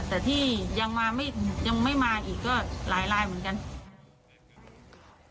แต่ที่ยังไม่มาอีกก็หลายเหมือนกัน